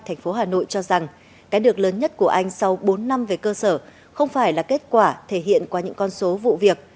thành phố hà nội cho rằng cái được lớn nhất của anh sau bốn năm về cơ sở không phải là kết quả thể hiện qua những con số vụ việc